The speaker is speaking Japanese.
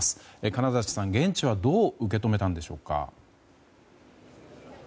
金指さん、現地はどう受け止めたんでしょうか。